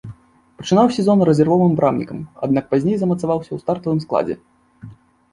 Пачынаў сезон рэзервовым брамнікам, аднак пазней замацаваўся ў стартавым складзе.